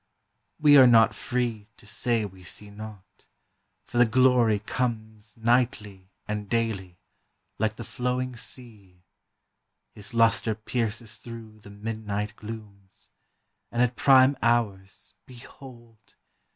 We are not free To say we see not, for the glory comes Nightly and daily, like the flowing sea; His lustre pierces through the midnight glooms, And at prime hours, behold!